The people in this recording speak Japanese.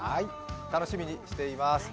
楽しみにしています。